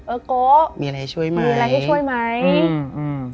เอ๊ะโก๊มีอะไรให้ช่วยไหม